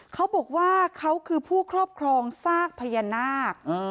เขาบอกว่าเขาคือผู้ครอบครองซากพญานาค